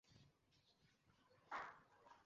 তুমি কি আমাকে দেখতে পাও?